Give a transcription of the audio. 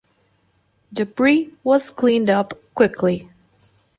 Debris was cleaned up quickly.